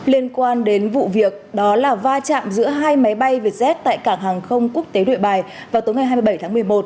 liên quan đến vụ việc đó là va chạm giữa hai máy bay vietjet tại cảng hàng không quốc tế nội bài vào tối ngày hai mươi bảy tháng một mươi một